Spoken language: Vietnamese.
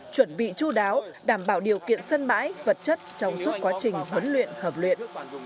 chuẩn bị chú đáo đảm bảo điều kiện sân bãi vật chất trong suốt quá trình huấn luyện hợp luyện